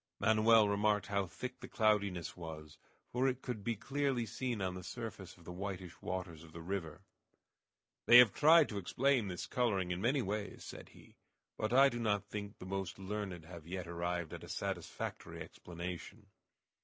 Manoel remarked how thick the cloudiness was, for it could be clearly seen on the surface of the whitish waters of the river. "They have tried to explain this coloring in many ways," said he, "but I do not think the most learned have yet arrived at a satisfactory explanation."